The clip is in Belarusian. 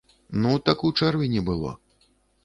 Ну, так у чэрвені было.